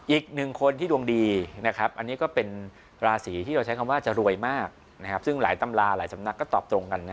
อีกหนึ่งคนที่ดวงดีนะครับอันนี้ก็เป็นราศีที่เราใช้คำว่าจะรวยมากซึ่งหลายตำราหลายสำนักก็ตอบตรงกัน